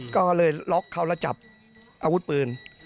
ก็เลยล็อกเขาแล้วจับอาวุธปืน